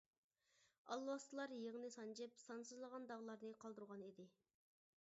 ئالۋاستىلار يىڭنە سانجىپ سانسىزلىغان داغلارنى قالدۇرغان ئىدى.